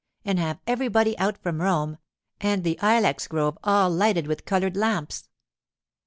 And have everybody out from Rome, and the ilex grove all lighted with coloured lamps!